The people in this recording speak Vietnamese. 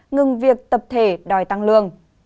ngừng việc tập thể đòi tăng lương